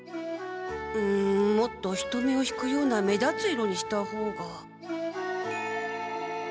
んもっと人目を引くような目立つ色にしたほうが。